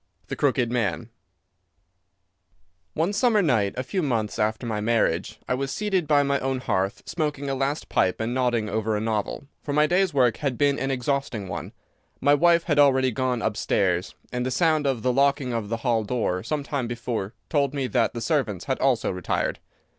The Crooked Man One summer night, a few months after my marriage, I was seated by my own hearth smoking a last pipe and nodding over a novel, for my day's work had been an exhausting one. My wife had already gone upstairs, and the sound of the locking of the hall door some time before told me that the servants had also retired.